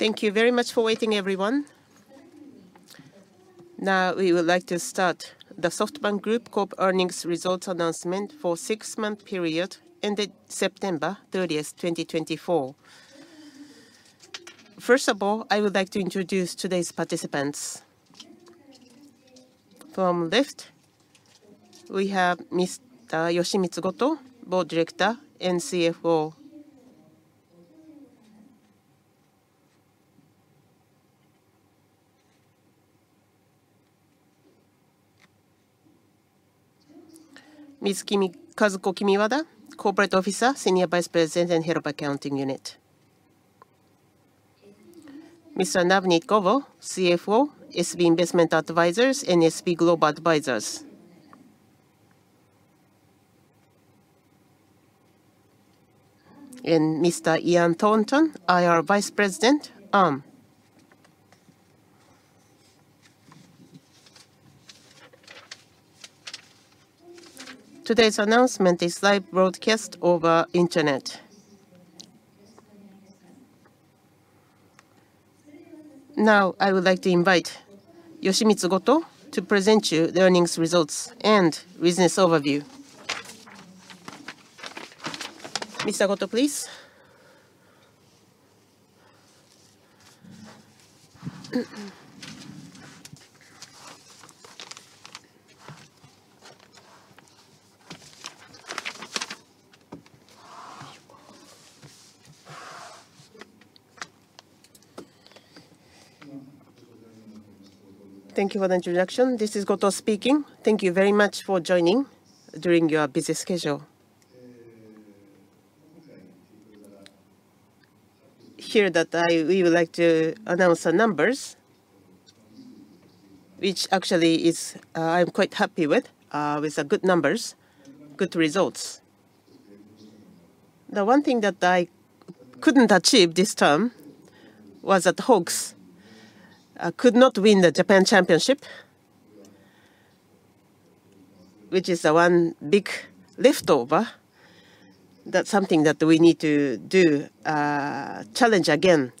Thank you very much for waiting everyone. Now we would like to start the SoftBank Group Corp Earnings Results Announcement for six month period ended September 30th, 2024. First of all, I would like to introduce today's participants. From left we have Mr. Yoshimitsu Goto, Board Director and CFO. Ms. Kazuko Kimiwada, Corporate Officer, Senior Vice President and Head of Accounting Unit. Mr. Navneet Govil, CFO, SB Investment Advisers and SB Global Advisers. And Mr. Ian Thornton, IR Vice President. Today's announcement is live broadcast over Internet. Now I would like to invite Yoshimitsu Goto to present you the earnings results and business overview. Mr. Goto, please. Thank you for the introduction. This is Goto speaking. Thank you very much for joining during your busy schedule. We would like to announce the numbers which actually is. I'm quite happy with. With good numbers good results. The one thing that I couldn't achieve this term was that Hawks could not win the Japan Championship which is one big leftover. That's something that we need to do challenge again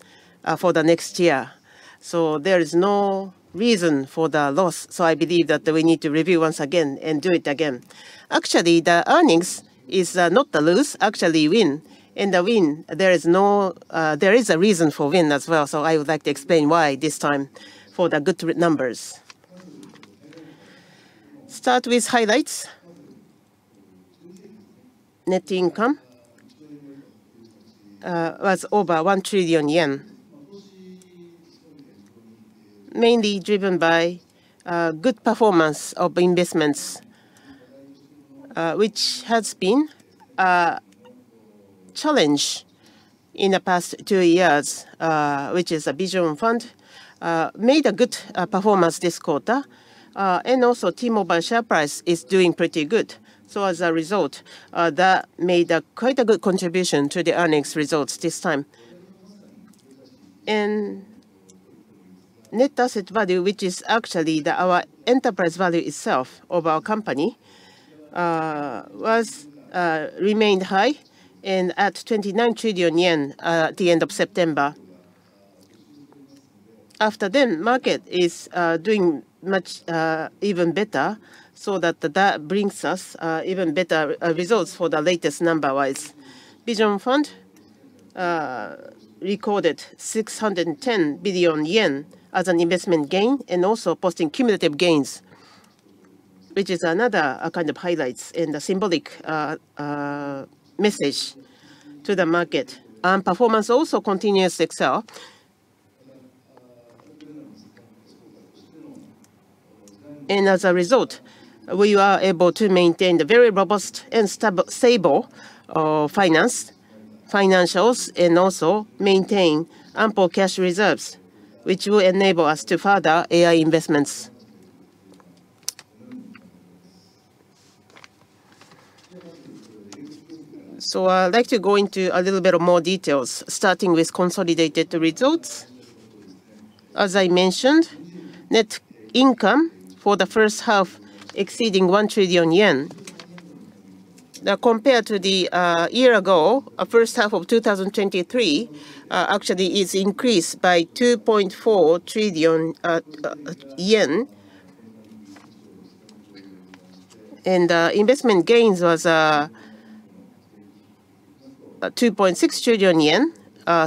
for the next year. So there is no reason for the loss. So I believe that we need to review once again and do it again. Actually the earnings is not the lose actually win and the win there is no, there is a reason for win as well. So I would like to explain why. This time for the good numbers start with highlights. Net income was over JPY 1 trillion mainly driven by good performance of investments which has been a challenge in the past two years which is a Vision Fund made a good performance this quarter and also T-Mobile share price is doing pretty good. So as a result that made quite a good contribution to the earnings results this time. And net asset value which is actually our enterprise value itself of our company remained high and at 29 trillion yen at the end of September. After that, market is doing much even better. So that brings us even better results. For the latest numbers, Vision Fund recorded 610 billion yen as an investment gain and also posting cumulative gains which is another kind of highlights and a symbolic message to the market and performance. Also continuous excel. And as a result we are able to maintain the very robust and stable financials and also maintain ample cash reserves which will enable us to further AI investments. So I'd like to go into a little bit of more details starting with consolidated results. As I mentioned, net income for the first half exceeding one trillion JPY now compared to the year-ago first half of 2023 actually is increased by 2.4 trillion yen and investment gains was 2.6 trillion yen.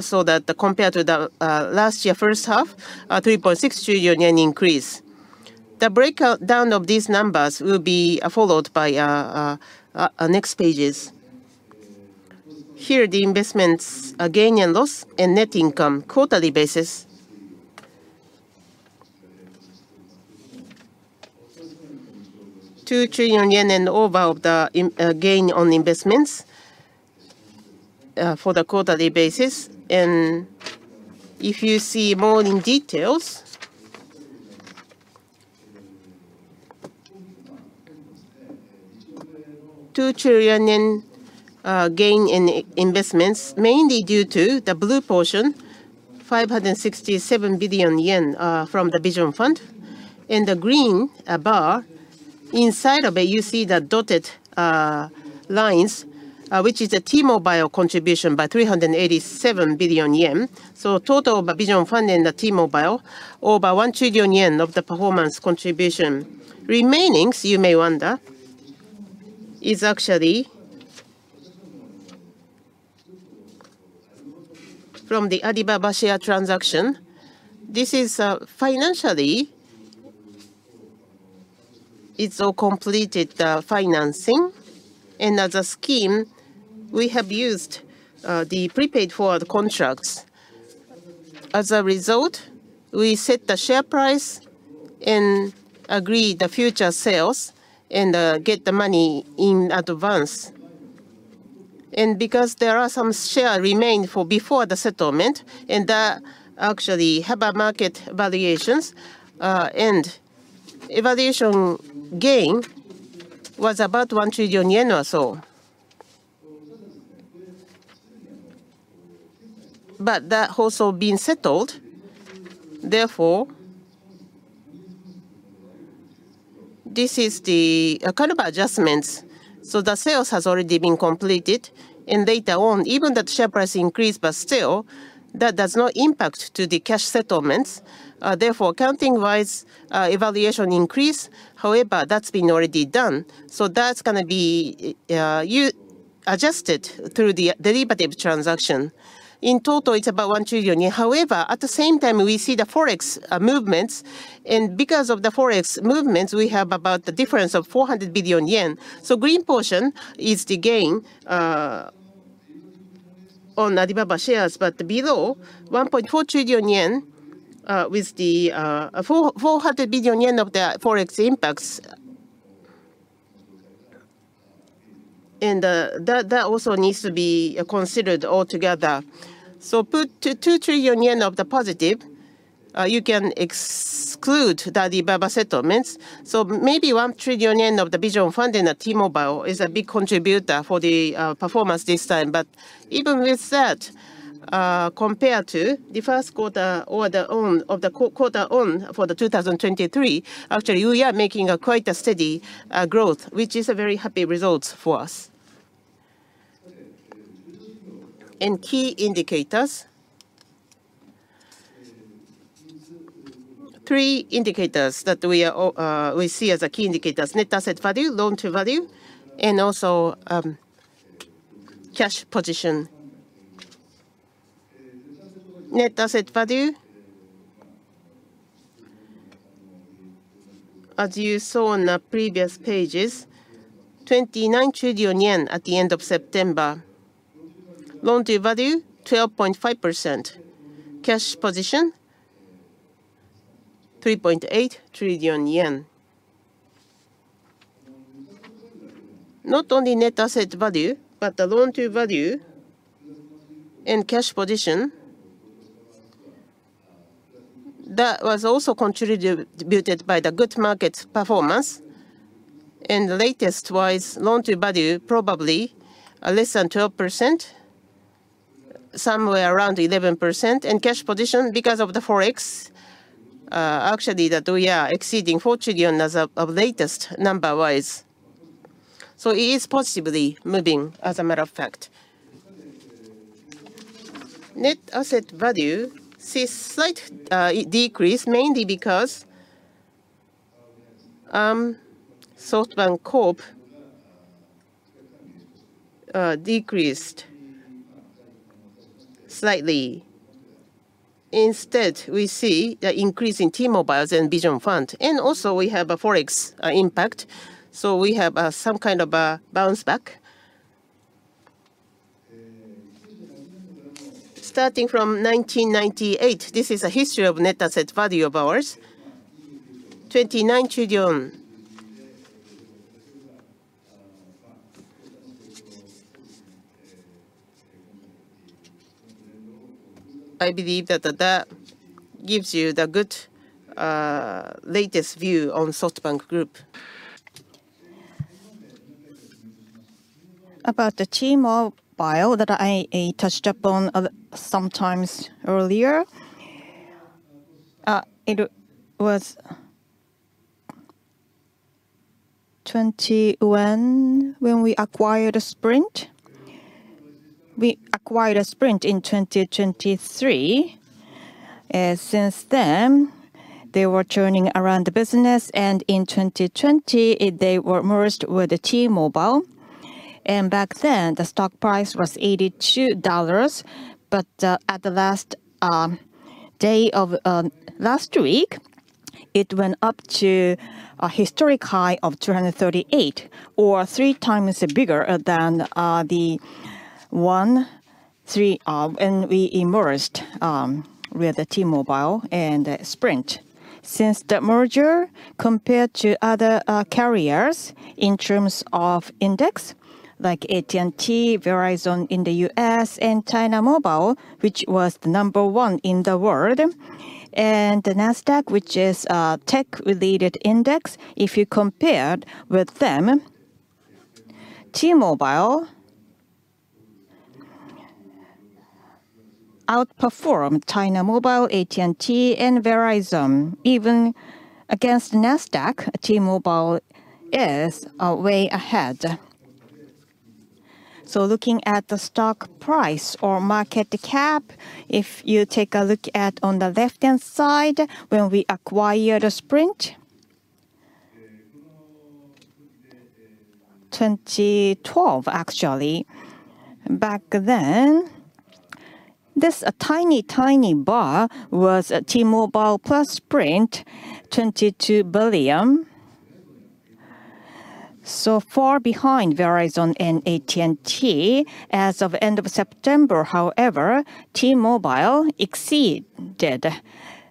So that compared to the last year first half 3.6 trillion yen increase. The breakdown of these numbers will be followed by next pages. Here the investments gain and loss and net income quarterly basis. Two trillion JPY and over of the gain on investments for the quarterly basis. And if you see more in details, two trillion JPY gain in investments mainly due to the blue portion 567 billion yen from the Vision Fund and the green bar inside of it you see the dotted lines which is a T-Mobile contribution by 387 billion yen. So, total Vision Fund in the T-Mobile or by 1 trillion yen of the performance contribution remaining, you may wonder, is actually from the Alibaba transaction. This is financially. It's all completed financing, and as a scheme we have used the prepaid forward contracts. As a result, we set the share price and agree the future sales and get the money in advance, and because there are some share remain for before the settlement and that actually have a market valuations and evaluation gain was about 1 trillion yen or so, but that also been settled. Therefore this is the kind of adjustments, so the sales has already been completed and later on even that share price increase, but still that does not impact to the cash settlements. Therefore accounting wise evaluation increase. However, that's been already done, so that's going to be adjusted through the derivative transaction. In total, it's about 1 trillion. However, at the same time we see the forex movements and because of the forex movements we have about the difference of 400 billion yen. So the green portion is the gain on Alibaba shares but below 1.4 trillion yen with the 400 billion yen of the forex impacts. That also needs to be considered altogether. Put 2 trillion yen of the positive. You can exclude the Alibaba settlements. Maybe 1 trillion yen of the Vision Fund in T-Mobile is a big contributor for the performance this time. But even with that compared to the first quarter year-on-year and quarter-on-quarter for 2023 actually we are making quite a steady growth which is a very happy result for us. Key indicators. Three indicators that we see as key indicators: net asset value, loan-to-value and also cash position net asset value. As you saw on previous pages, 29 trillion yen at the end of September loan-to-value 12.5% cash position JPY 3.83 trillion. Not only net asset value, but the loan-to-value and cash position that was also contributed by the good market performance and latest wise loan-to-value probably less than 12%, somewhere around 11% and cash position because of the forex actually that we are exceeding 4 trillion as of latest number wise so it is possibly moving. As a matter of fact net asset value sees slight decrease mainly because SoftBank Corp. decreased slightly. Instead we see the increase in T-Mobile's and Vision Fund and also we have a forex impact so we have some kind of a bounce back. Starting from 1998. This is a history of net asset value of ours JPY 29 trillion. I believe that that gives you the good latest view on SoftBank Group About the T-Mobile that I touched upon sometimes earlier. It was 21 when we acquired Sprint. We acquired Sprint in 2023. Since then they were turning around the business and in 2020 they were merged with T-Mobile, and back then the stock price was $82, but at the last day of last week it went up to a historic high of $238 or three times bigger than the one when we merged with T-Mobile and Sprint since the merger. Compared to other carriers in terms of index like AT&T, Verizon in the U.S. and China Mobile which was the number one in the world and the Nasdaq which is a tech related index. If you compare with them, T-Mobile outperformed China Mobile, AT&T and Verizon even against Nasdaq, T-Mobile is way ahead. So, looking at the stock price or market cap, if you take a look at on the left-hand side when we acquired Sprint 2012, actually back then this tiny tiny bar was T-Mobile plus Sprint $22 billion so far behind Verizon and AT&T as of end of September. However, T-Mobile exceeded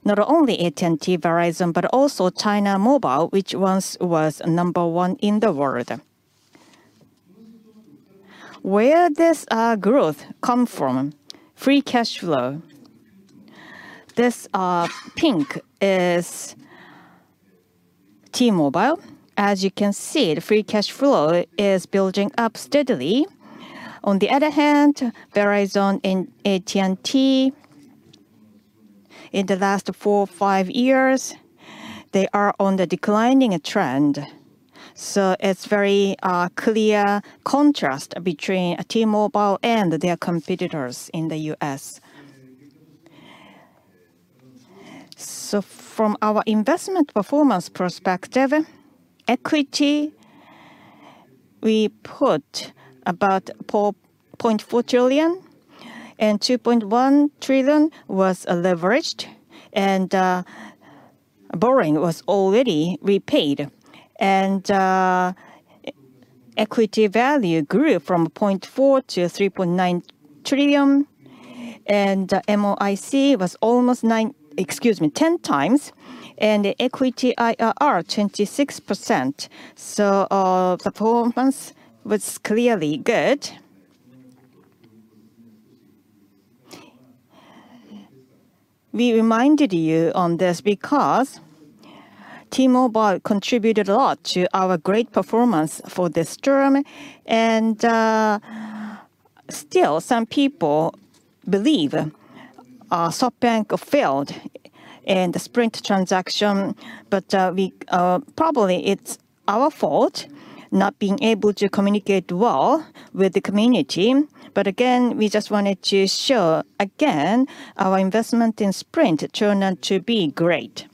not only AT&T, Verizon but also China Mobile which once was number one in the world. Where this growth come from free cash flow this pink is T-Mobile. As you can see, the free cash flow is building up steadily. On the other hand, Verizon, AT&T in the last four, five years they are on the declining trend. So it's very clear contrast between T-Mobile and their competitors in the U.S. From our investment performance perspective, equity, we put about 0.4 trillion and 2.1 trillion was leveraged and borrowing was already repaid and equity value grew from 0.4 trillion to 3.9 trillion. The MOIC was almost 9, excuse me 10 times and the equity IRR 26%. Performance was clearly good. We reminded you on this because T-Mobile contributed a lot to our great performance for this term. Still some people believe SoftBank failed in the Sprint transaction. Probably it's our fault not being able to communicate well with the community. Again we just wanted to show again our investment in Sprint turned out to be great.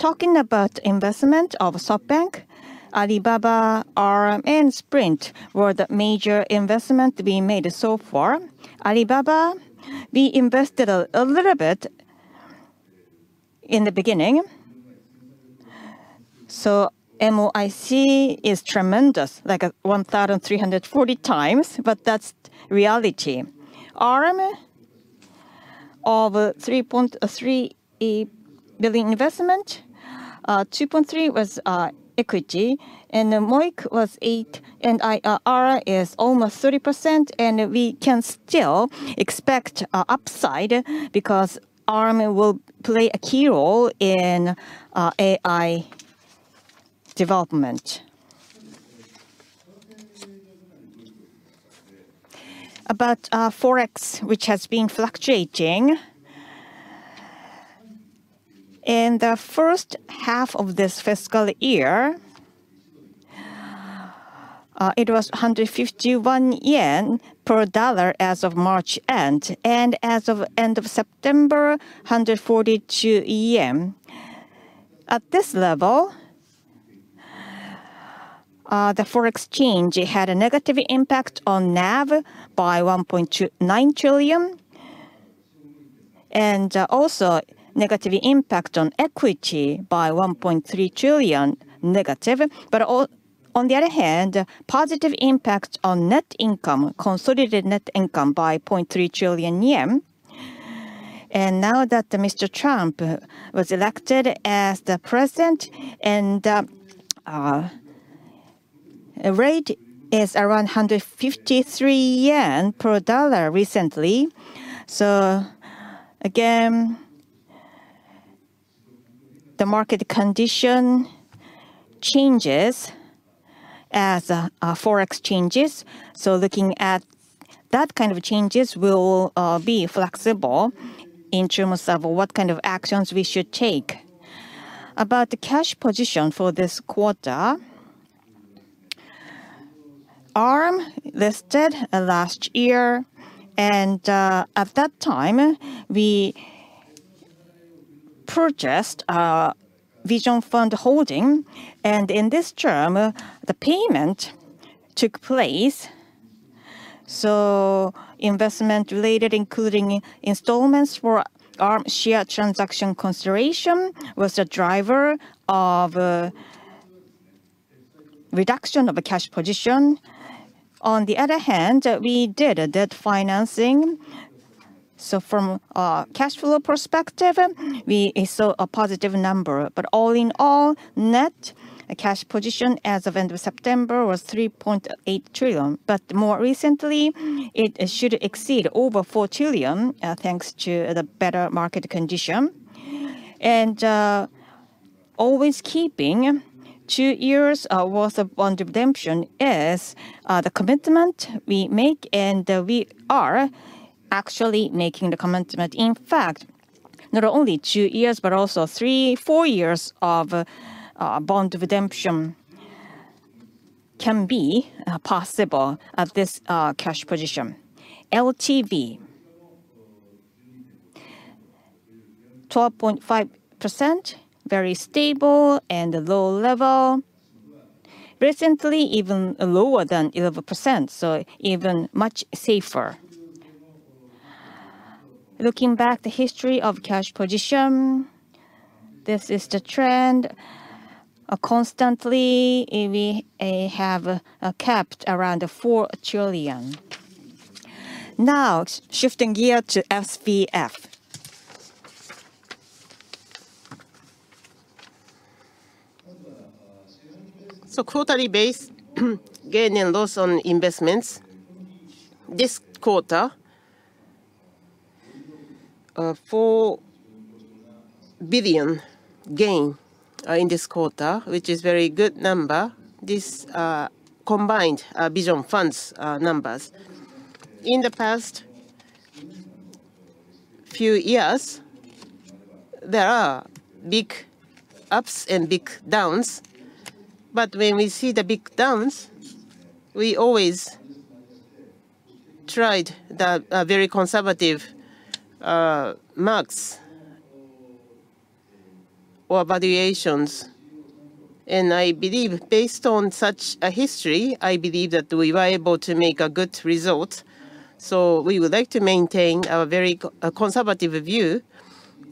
Talking about investment of SoftBank, Alibaba, Arm and Sprint were the major investment we made so far. Alibaba we invested a little bit in the beginning, so MOIC is tremendous like 1,340 times, but that's reality. [return] of 3.3 [times the] investment, 2.3 was equity and MOIC was 8 and IRR is almost 30% and we can still expect upside because Arm will play a key role in AI development. About forex, which has been fluctuating in the first half of this fiscal year, it was 151 yen per dollar as of March end and as of end of September 142 yen. At this level, the foreign exchange had a negative impact on NAV by 1.9 trillion and also negative impact on equity by 1.3 trillion. Negative, but on the other hand positive impact on net income, consolidated net income [positive impact] by 0.3 trillion yen and now that Mr. Trump was elected as the president and the rate is around 153 yen per dollar recently, so again the market condition changes as forex changes. So looking at that kind of changes, we will be flexible in terms of what kind of actions we should take about the cash position for this quarter. Arm listed last year and at that time we purchased Vision Fund holding and in this term the payment took place. So investment related, including installments for Arm share transaction consideration, was the driver of reduction of a cash position. On the other hand we did a debt financing. So from a cash flow perspective we saw a positive number. But all in all net cash position as of end of September was 3.8 trillion. But more recently it should exceed over 4 trillion thanks to the better market condition and always keeping two years worth of bond redemption is the commitment we make and we are actually making the commitment. In fact, not only two years but also three, four years of bond redemption can be possible at this cash position. LTV 12.5% very stable and low level. Recently even lower than 11% so even much safer. Looking back the history of cash position, this is the trend constantly we have capped around 4 trillion. Now shifting gear to SVF. So, quarterly-based gain and loss on investments this quarter [is a] four billion gain in this quarter, which is a very good number. This combined Vision Funds numbers in the past few years. There are big ups and big downs, but when we see the big downs we always tried the very conservative marks or valuations and I believe based on such a history I believe that we were able to make a good result. We would like to maintain a very conservative view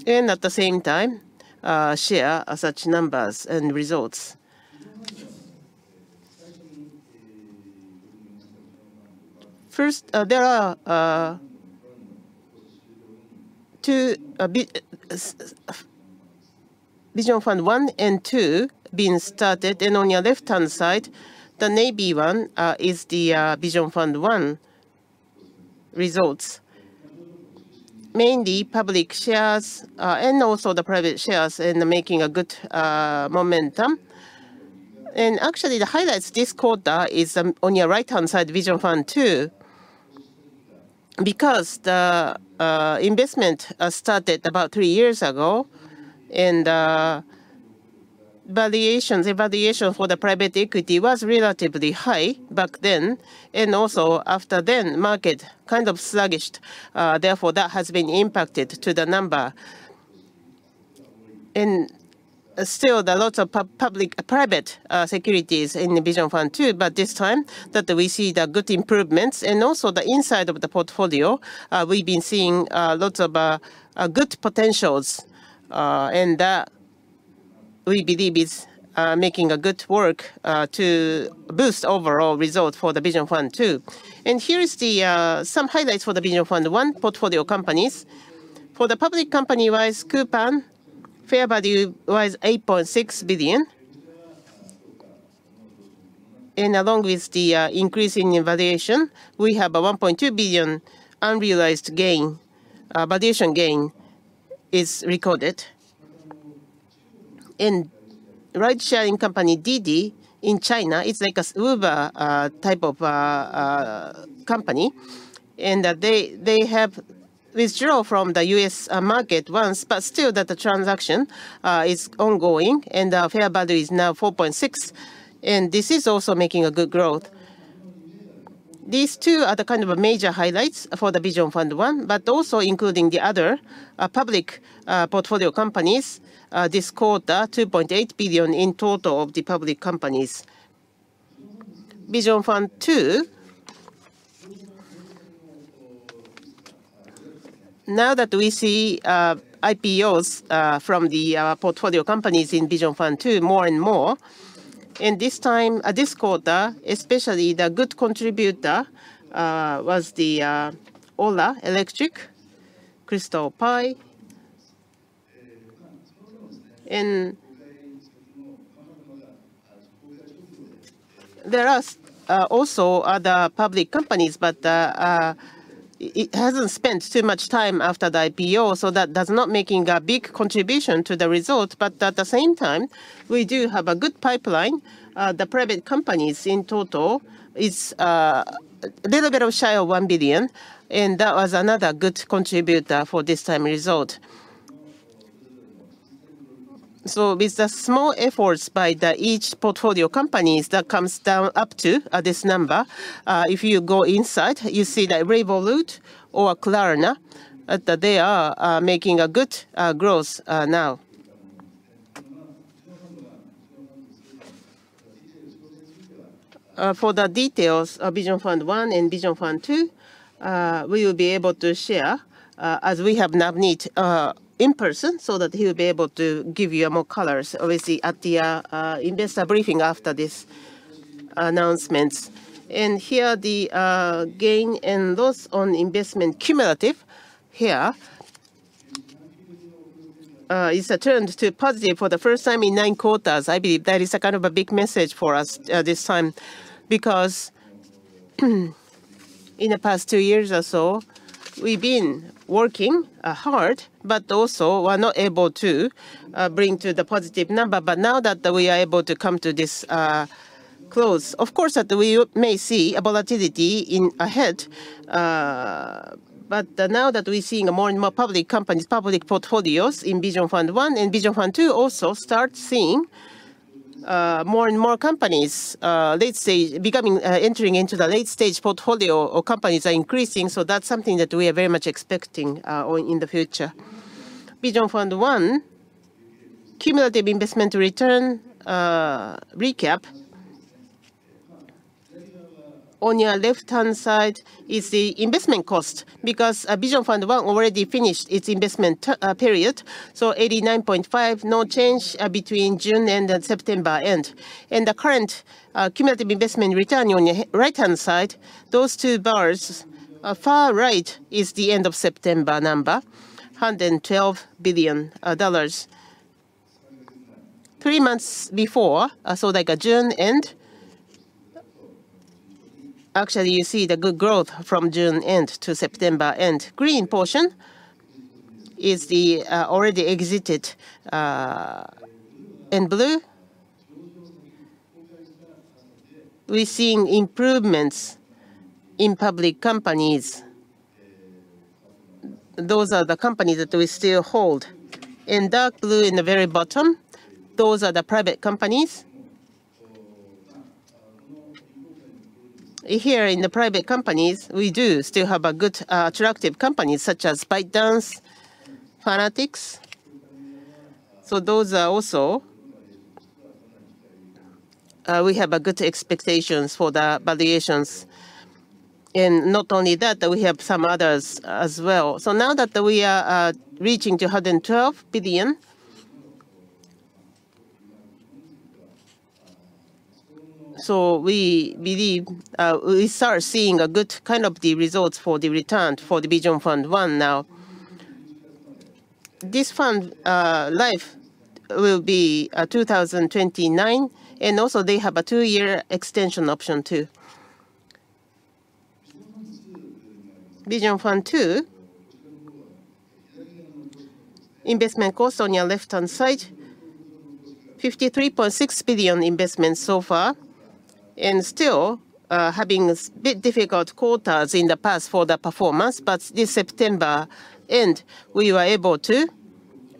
and at the same time share such numbers and results. First there are two Vision Fund 1 and 2 being started. On your left hand side, the NAV one is the Vision Fund 1 results: mainly public shares and also the private shares and making a good momentum. Actually, the highlights this quarter is on your right hand side, Vision Fund 2, because the investment started about three years ago and valuations evaluation for the private equity was relatively high back then and also after then market kind of sluggish. Therefore, that has been impacted to the number. Still, there are lots of public private securities in Vision Fund 2. But this time that we see the good improvements and also the inside of the portfolio we've been seeing lots of good potentials and we believe is making a good work to boost overall results for the Vision Fund 2. Here is some highlights for the Vision Fund 1 portfolio companies. For the public company wise, Coupang fair value was $8.6 billion. Along with the increase in valuation we have a $1.2 billion unrealized gain. Valuation gain is recorded and ride sharing company Didi in China. It's like a type of company and they have withdrawal from the U.S. market once but still that the transaction is ongoing and fair value is now $4.6 billion and this is also making a good growth. These two are the kind of major highlights for the Vision Fund 1 but also including the other public portfolio companies this quarter $2.8 billion in total of the public companies. Vision Fund 2. Now that we see IPOs from the portfolio companies in Vision Fund 2 more and more. This time this quarter especially the good contributor was the Ola Electric, FirstCry IPO. There are also other public companies. But it hasn't spent too much time after the IPO. So that does not make a big contribution to the result. But at the same time we do have a good pipeline and the private companies in total is a little bit shy of 1 billion. And that was another good contributor for this time result. So with the small efforts by each portfolio companies that comes down up to this number. If you go inside you see that Revolut or Klarna they are making a good growth. Now. For the details, Vision Fund 1 and Vision Fund 2 we will be able to share as we have Navneet in person so that he will be able to give you more colors. Obviously at the investor briefing after this announcement. And here the gain and loss on investment cumulative. Here is a turn to positive for the first time in nine quarters. I believe that is a kind of a big message for us this time because in the past two years or so we've been working hard but also were not able to bring to the positive number, but now that we are able to come to this close, of course we may see a volatility ahead, but now that we're seeing more and more public companies, public portfolios in Vision Fund 1 and Vision Fund 2 also start seeing more and more companies late stage becoming entering into the late stage portfolio of companies are increasing. So that's something that we are very much expecting in the future. Vision Fund 1 cumulative investment return. Recap on your left hand side is the investment cost because Vision Fund 1 already finished its investment period. So, 89.5, no change between June and September end, and the current cumulative investment return on the right hand side. Those two bars far right is the end of September number, $112 billion three months before. So like a June end, actually you see the good growth from June end to September end. Green portion is the already exited end. Blue, we're seeing improvements in public companies. Those are the companies that we still hold in dark blue in the very bottom. Those are the private companies. Here in the private companies, we do still have a good attractive companies such as ByteDance, Fanatics. So those are also we have a good expectations for the valuations, and not only that, we have some others as well. So now that we are reaching $212 billion. We believe we start seeing a good kind of the results for the return for the Vision Fund 1. Now this fund life will be 2029 and also they have a two-year extension option too. Vision Fund 2 investment costs on your left-hand side $53.6 billion investments so far and still having a bit difficult quarters in the past for the performance. But this September end we were able to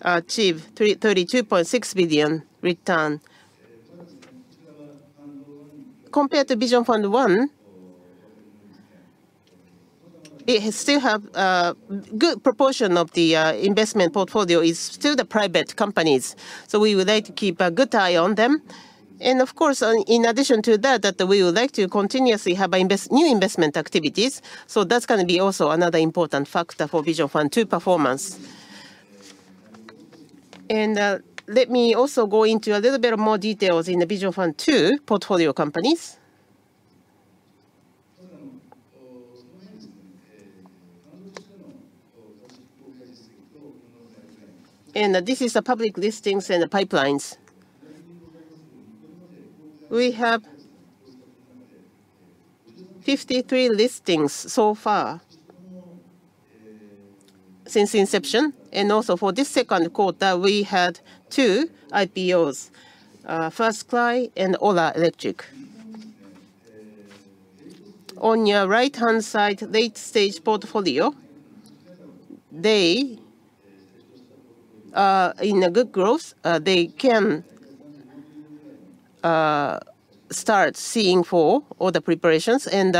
achieve $32.6 billion return compared to Vision Fund 1. It still has good proportion of the investment portfolio is still the private companies. So we would like to keep a good eye on them. And of course in addition to that we would like to continuously have new investment activities. So that's going to be also another important factor for Vision Fund 2 performance. Let me also go into a little bit more details in the Vision Fund 2 portfolio companies. This is the public listings and the pipelines. We have 53 listings so far since inception. Also for this second quarter we had two IPOs: FirstCry and Ola Electric. On your right-hand side late-stage portfolio they in a good growth they can start seeing for all the preparations and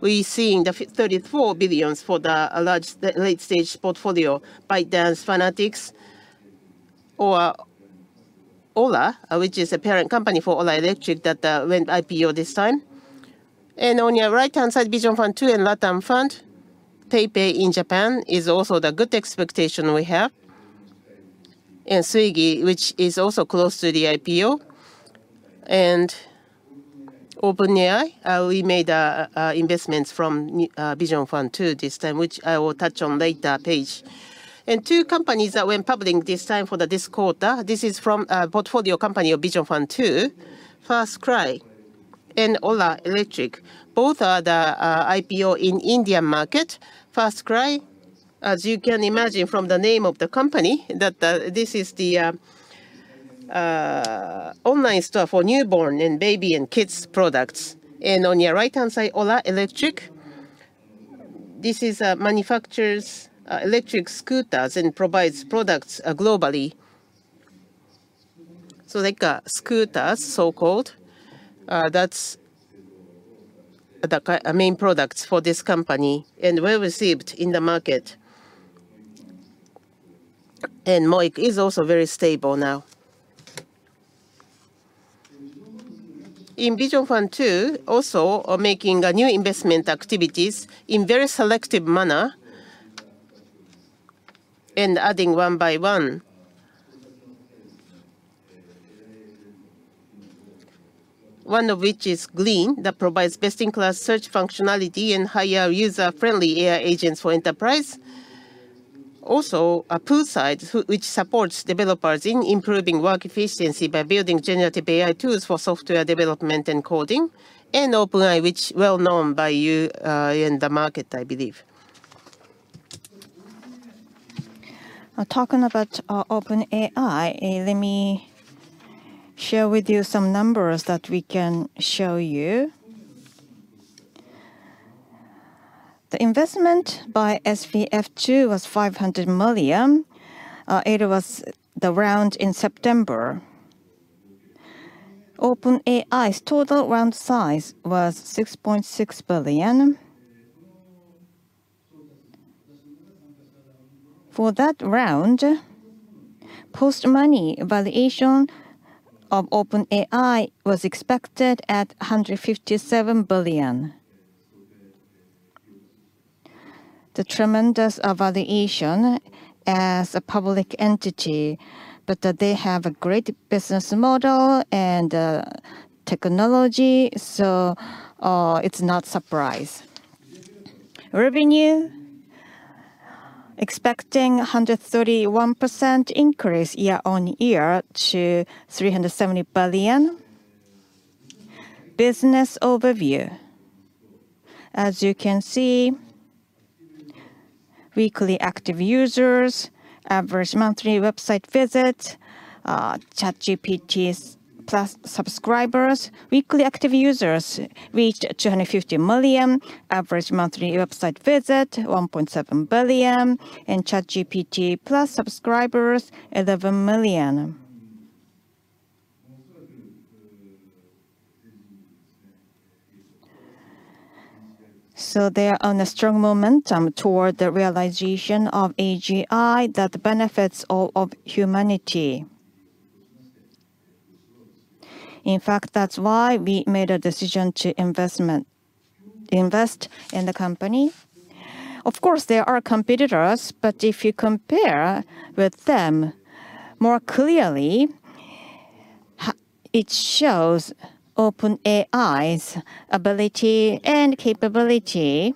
we seeing the $34 billion for the late-stage portfolio ByteDance Fanatics or Ola which is a parent company for Ola Electric that went IPO this time, and on your right-hand side Vision Fund 2 and LatAm Fund PayPay in Japan is also the good expectation we have and Swiggy which is also close to the IPO and OpenAI we made investments from Vision Fund 2 this time which I will touch on later page and two companies that went public this time for this quarter. This is from a portfolio company of Vision Fund 2. FirstCry and Ola Electric both are the IPO in Indian market. FirstCry, as you can imagine from the name of the company, that this is the online store for newborn and baby and kids products. And on your right hand side Ola Electric. This is manufactures electric scooters and provides products globally, so like scooters so-called. That's the main products for this company and well received in the market. And MOIC is also very stable now in Vision Fund 2 also making new investment activities in very selective manner and adding one by one. One of which is Glean that provides best-in-class search functionality and highly user-friendly AI agents for enterprise. Also, Poolside which supports developers in improving work efficiency by building generative AI tools for software development and coding and OpenAI which well known by you in the market I believe. Talking about OpenAI, let me share with you some numbers that we can show you. The investment by SVF2 was $500 million. It was the round in September. OpenAI's total round size was $6.6 billion. For that round, post-money valuation of OpenAI was expected at $157 billion. The tremendous valuation as a public entity, but they have a great business model and technology, so it's no surprise. Revenue. Expecting 131% increase year on year to 370 billion. Business Overview, as you can see: weekly active users, average monthly website visit, ChatGPT Plus subscribers. Weekly active users reached 250 million, average monthly website visit 1.7 billion, and ChatGPT Plus subscribers 11 million. They're on a strong momentum toward the realization of AGI that benefits all of humanity. In fact, that's why we made a decision to invest in the company. Of course there are competitors, but if you compare with them more clearly, it shows OpenAI's ability and capability.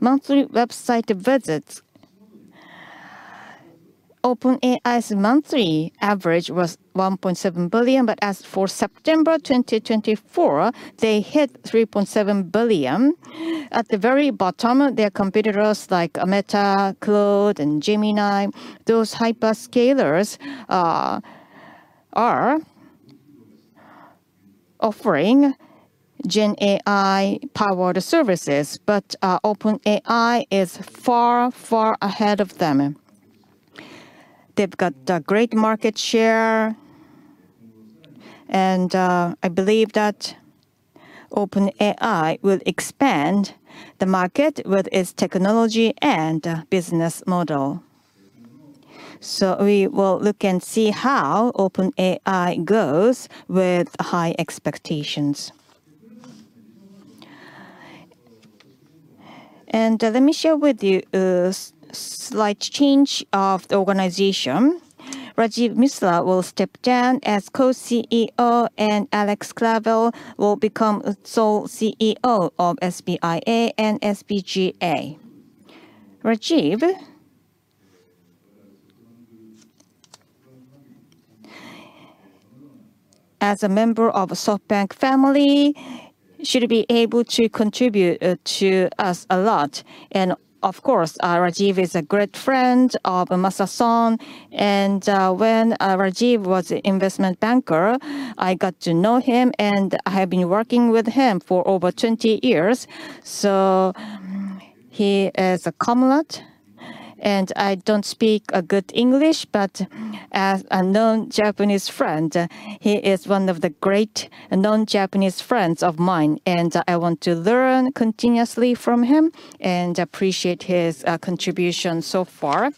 Monthly website visits: OpenAI's monthly average was 1.7 billion, but as for September 2024, they hit 3.7 billion at the very bottom. Their competitors like Meta, Claude, and Gemini, those hyperscale, are offering Gen AI powered services, but OpenAI is far far ahead of them. They've got great market share and I believe that OpenAI will expand the market with its technology and business model. So we will look and see how OpenAI goes with high expectations. And let me share with you a slight change of the organization. Rajeev Misra will step down as co-CEO and Alex Clavel will become sole CEO of SBIA and SBGA. Rajeev. As a member of SoftBank family should be able to contribute to us a lot. And of course Rajeev is a great friend of Masa-san and when Rajeev was an investment banker I got to know him and I have been working with him for over 20 years. So he is a comrade and I don't speak good English, but as a known Japanese friend, he is one of the great non-Japanese friends of mine and I want to learn continuously from him and appreciate his contribution so far.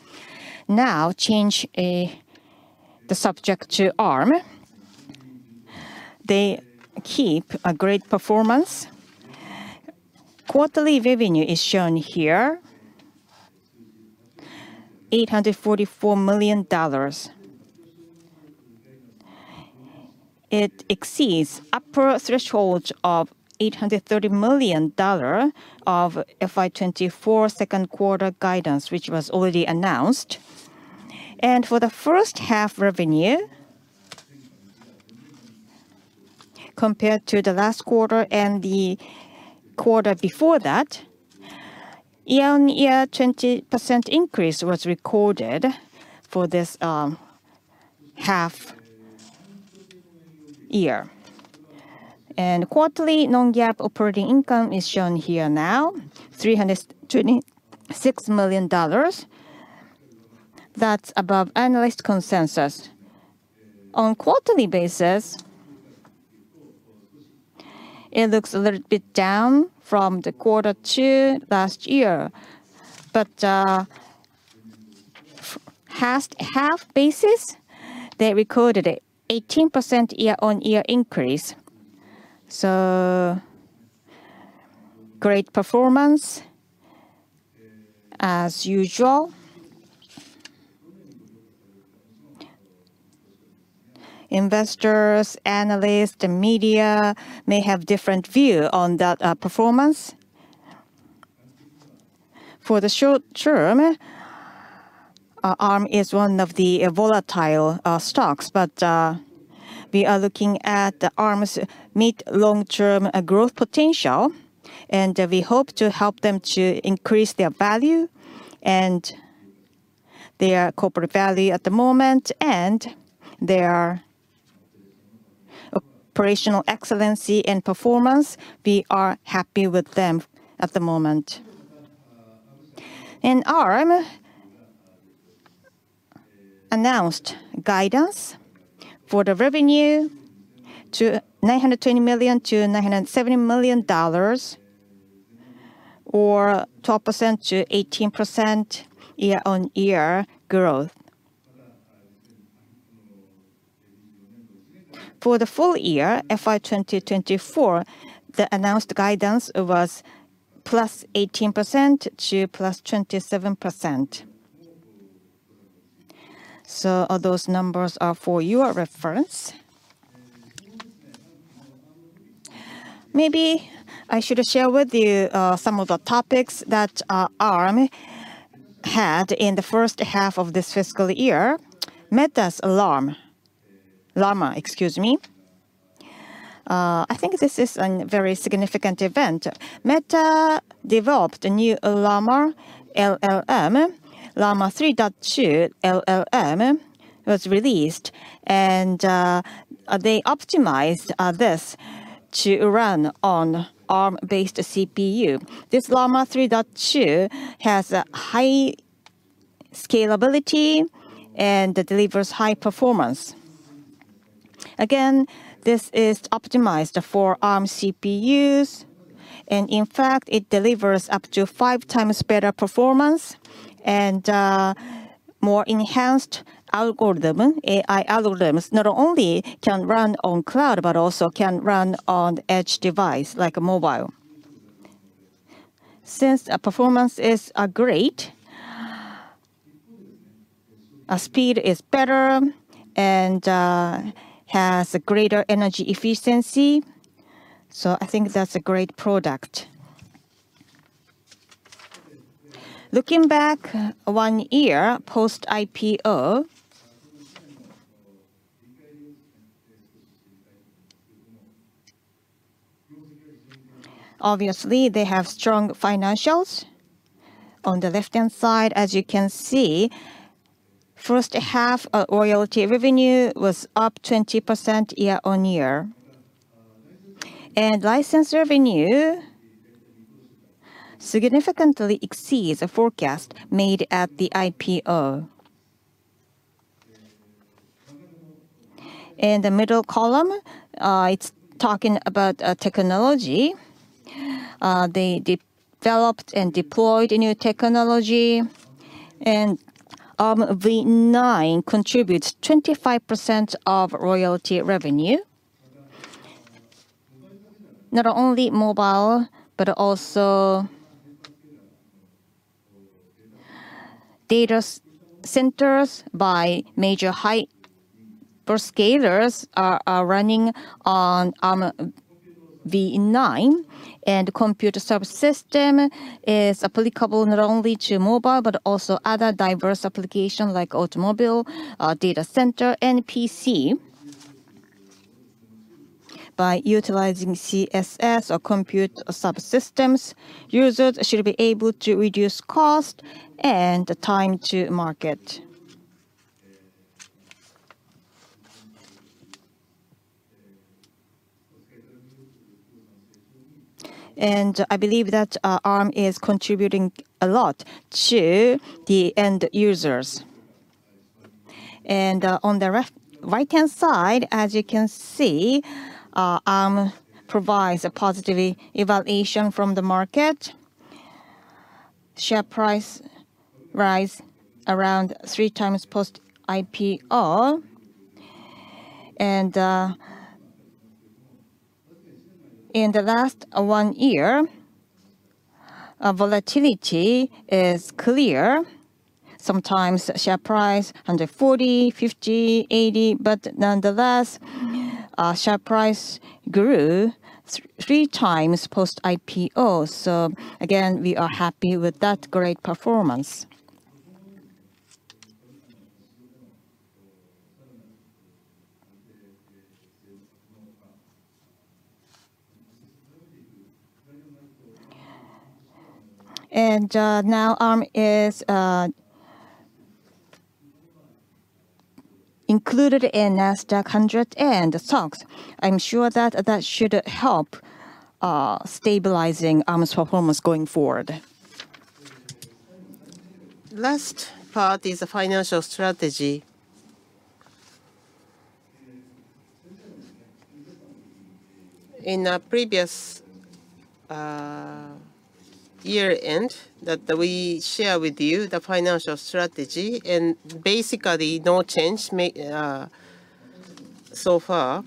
Now change the subject to Arm. They keep great performance. Quarterly revenue is shown here $844 million. It exceeds upper threshold of $830 million of FY24 second quarter guidance, which was already announced, and for the first half revenue compared to the last quarter and the quarter before that year. Year-on-year 20% increase was recorded for this half year and quarterly non-GAAP operating income is shown here. Now $326 million. That's above analyst consensus on quarterly basis. It looks a little bit down from the quarter two last year But half basis, they recorded 18% year-on-year increase. So great performance. As usual. Investors, analysts and media may have different view on that performance for the short term. Arm is one of the volatile stocks but we are looking at Arm's mid- to long-term growth potential and we hope to help them to increase their value and their corporate value at the moment and their operational excellence and performance. We are happy with them at the moment and Arm announced guidance for the revenue to $920 million-$970 million or 12%-18% year-on-year growth. For the full year FY 2024 the announced guidance was plus 18% to plus 27%, so those numbers are for your reference. Maybe I should share with you some of the topics that Arm had in the first half of this fiscal year. Meta's Llama. Excuse me, I think this is a very significant event. Meta developed a new Llama LLM, Llama 3.2. LLM was released and they optimized this to run on Arm-based CPU. This Llama 3.2 has high scalability and delivers high performance. Again, this is optimized for Arm CPUs and in fact it delivers up to five times better performance and more enhanced algorithm. AI algorithms not only can run on cloud but also can run on edge device like mobile. Since performance is great, speed is better and has a greater energy efficiency. So I think that's a great product. Looking back one year post IPO, obviously they have strong financials. On the left hand side as you can see first half royalty revenue was up 20% year on year and license revenue significantly exceeds a forecast made at the IPO. In the middle column it's talking about technology. They developed and deployed a new technology and Armv9 contributes 25% of royalty revenue. Not only mobile but also. Data centers by major hyperscalers are running on Armv9 and Compute Subsystems is applicable not only to mobile but also other diverse applications like automobile, data center and PC. By utilizing CSS or compute subsystems, users should be able to reduce cost and time to market. I believe that Arm is contributing a lot to the end users, and on the right hand side as you can see Arm provides a positive evaluation from the market. Share price rise around three times post IPO and. In the last one-year volatility is clear. Sometimes share price $140, $50, $80, but nonetheless share price grew 3 times post-IPO, so again we are happy with that great performance, and now Arm is included in the Nasdaq 100 and SOX. I'm sure that that should help stabilizing Arm's performance going forward. Last part is a financial strategy in a previous year-end that we share with you, the financial strategy, and basically no change so far.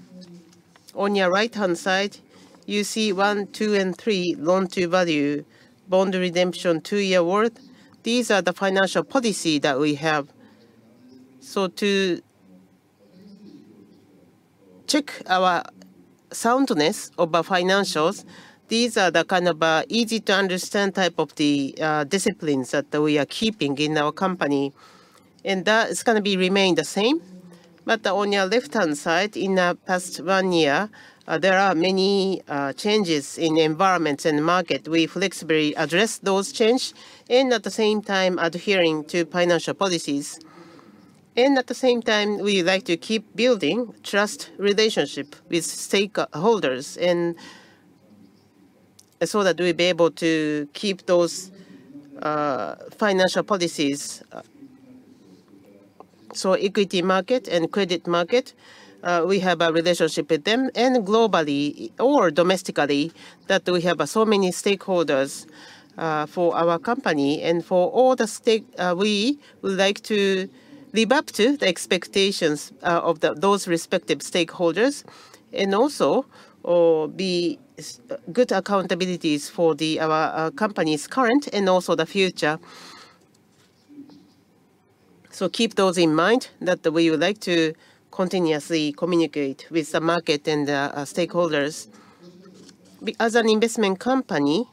On your right-hand side, you see one, two, and three: loan-to-value, bond redemption, two-year worth. These are the financial policy that we have. So to check our soundness of our financials, these are the kind of easy to understand type of the disciplines that we are keeping in our company, and that is going to be remain the same. But on your left-hand side, in the past one year, there are many changes in environment and market. We flexibly address those changes and at the same time adhering to financial policies, and at the same time we like to keep building trust relationship with stakeholders so that we'll be able to keep those financial policies. Equity market and credit market, we have a relationship with them and globally or domestically that we have so many stakeholders for our company and for all the stakeholders. We would like to live up to the expectations of those respective stakeholders and also be good accountabilities for our company's current and also the future. Keep those in mind that we would like to continuously communicate with the market and stakeholders. As an investment company,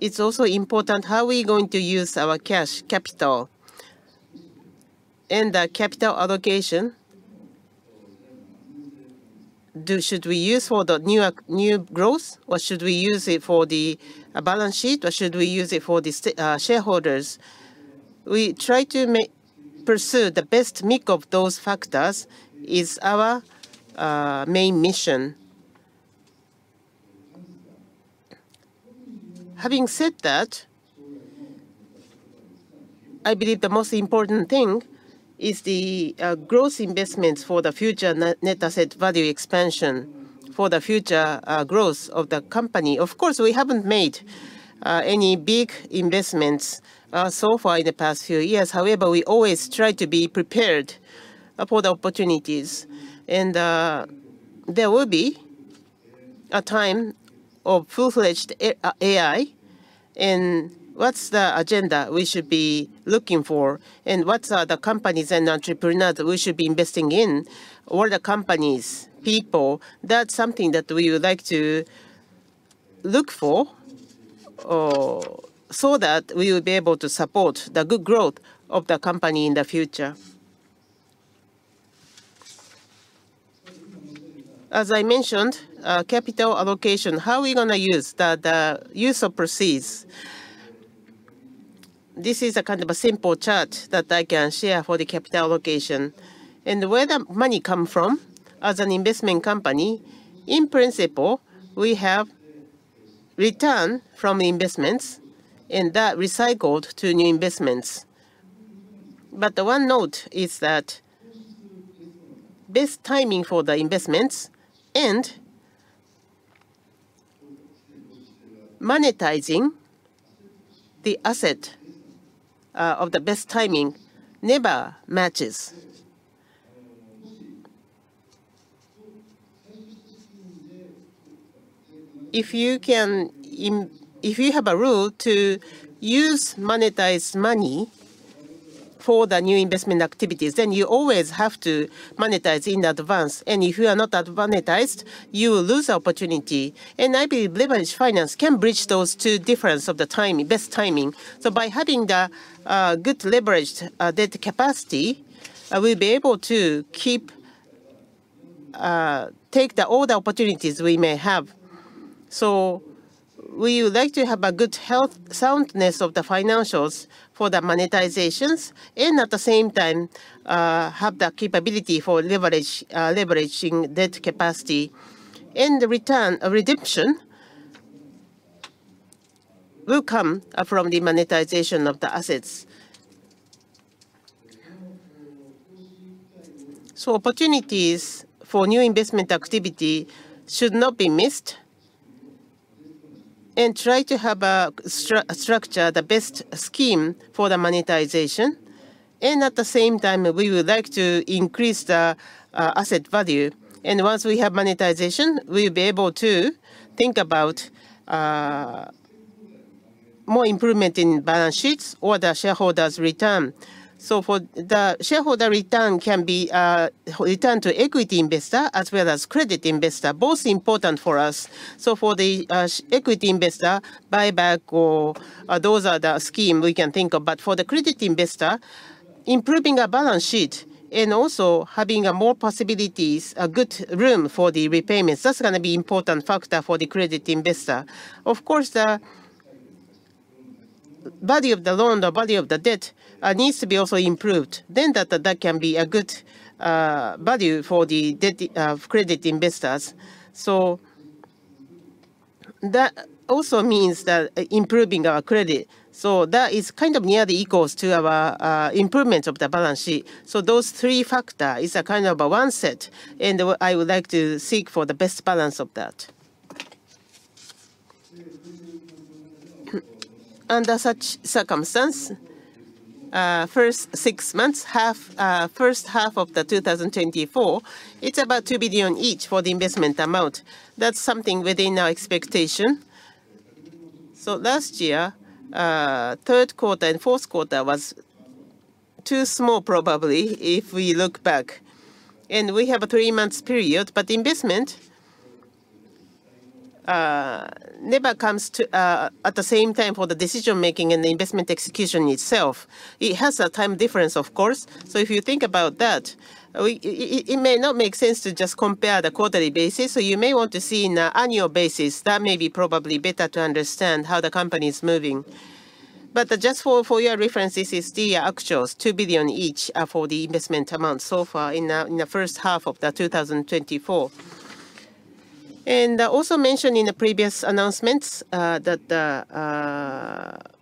it's also important how we going to use our cash capital and the capital allocation. Should we use for the new growth or should we use it for the balance sheet or should we use it for the shareholders? We try to pursue the best mix of those factors is our main mission. Having said that, I believe the most important thing is the growth investments for the future net asset value expansion for the future growth of the company. Of course we haven't made any big investments so far in the past few years. However, we always try to be prepared for opportunities and there will be a time of full-fledged AI. What's the agenda we should be looking for and what are the companies and entrepreneurs we should be investing in all the companies people. That's something that we would like to look for so that we will be able to support the good growth of the company in the future. As I mentioned, capital allocation, how we gonna use the use of proceeds? This is a kind of a simple chart that I can share for the capital allocation and where the money come from. As an investment company, in principle, we have return from investments and that recycled to new investments, but the one note is that best timing for the investments and monetizing the asset of the best timing never matches. If you have a rule to use monetized money for the new investment activities then you always have to monetize in advance, and if you are not monetized, you will lose opportunity, and I believe leverage finance can bridge those two differences of the timing best timing, so by having the good leveraged debt capacity, we'll be able to take all the opportunities we may have, so we would like to have a good health soundness of the financials for the monetizations and at the same time have the capability for leveraging debt capacity, and the return of redemption will come from the monetization of the assets. So opportunities for new investment activity should not be missed, and try to have a structure [for] the best scheme for the monetization, and at the same time we would like to increase the asset value. Once we have monetization, we'll be able to think about more improvement in balance sheets or the shareholders return. For the shareholder return [it] can be returned to equity investor as well as credit investor. Both [are] important for us. For the equity investor [a] buyback or those are the schemes we can think of. But for the credit investor, improving our balance sheet and also having more possibilities, a good room for the repayments, that's going to be [an] important factor for the credit investor. Of course, [the] value of the loan, the body of the debt needs to be also improved. Then that can be a good value for the debt credit investors. So that also means that improving our credit so that is kind of nearly equal to our improvements of the balance sheet. So those three factor is a kind of a one set. And I would like to seek for the best balance of that. Under such circumstances. First six months, half, first half of 2024, it's about $2 billion each for the investment amount. That's something within our expectation. So last year, third quarter and fourth quarter was too small. Probably if we look back and we have a three month period. But investment never comes at the same time for the decision making and the investment execution itself. It has a time difference of course. So if you think about that, it may not make sense to just compare the quarterly basis. So you may want to see in an annual basis that may be probably better to understand how the company is moving. But just for your reference, this is the actual 2 billion each for the investment amount so far in the first half of 2024. And also mentioned in the previous announcements that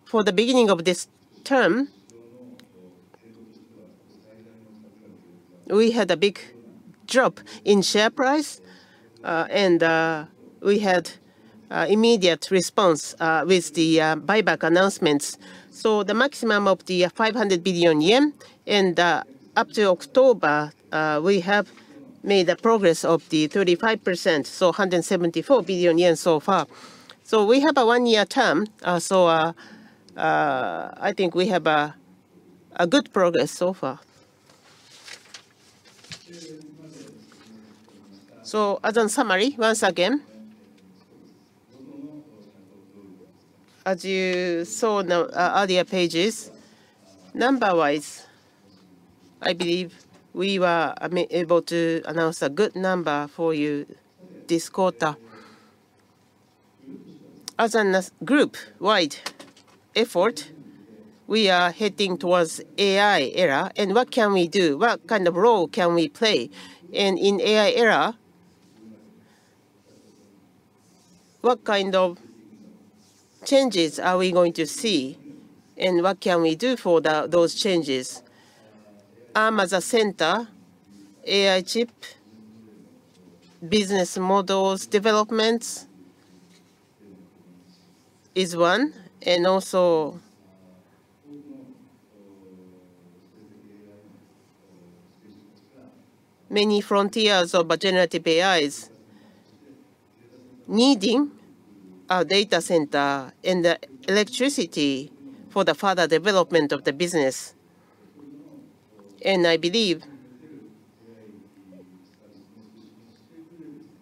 for the beginning of this term we had a big drop in share price and we had immediate response with the buyback announcements. So the maximum of the 500 billion yen is and up to October we have made the progress of the 35% so 174 billion yen so far. So we have a one-year term. So I think we have a good progress so far. As a summary once again, as you saw in the earlier pages, number wise, I believe we were able to announce a good number for you this quarter. As a group-wide effort, we are heading towards AI era and what can we do, what kind of role can we play? And in AI era, what kind of changes are we going to see and what can we do for those changes? Arm as a center AI chip business models development is one and also many frontiers of generative AIs needing a data center and electricity for the further development of the business. And I believe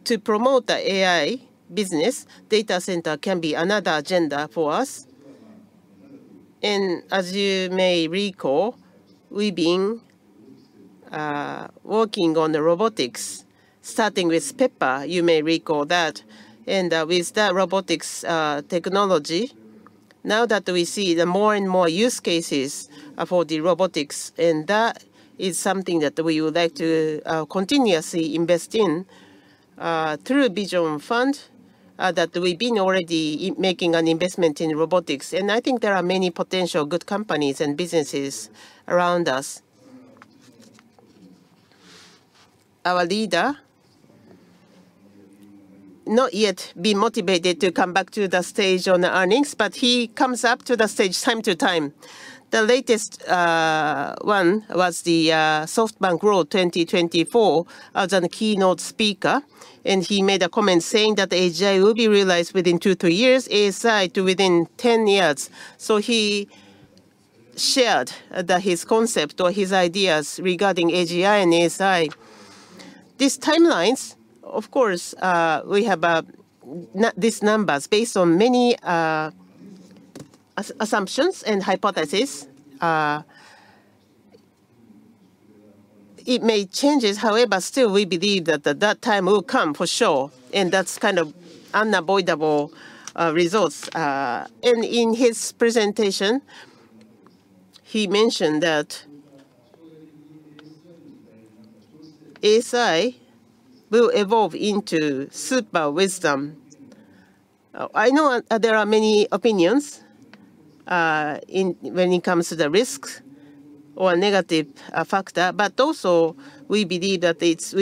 to promote the AI business data center can be another agenda for us. And as you may recall, we being working on the robotics starting with Pepper, you may recall that. And with that robotics technology. Now that we see more and more use cases for the robotics and that is something that we would like to continuously invest in through Vision Fund that we've been already making an investment in robotics and I think there are many potential good companies and businesses around us. Our leader has not yet been motivated to come back to the stage on the earnings but he comes up to the stage from time to time. The latest one was the SoftBank World 2024 as a keynote speaker and he made a comment saying that AGI will be realized within two, three years ASI too within 10 years. So he shared his concept or his ideas regarding AGI and ASI. These timelines of course we have these numbers based on many assumptions and hypothesis. It may change. However, still we believe that time will come for sure and that's kind of unavoidable results. In his presentation he mentioned that ASI will evolve into super wisdom. I know there are many opinions when it comes to the risks or negative factor, but also we believe that it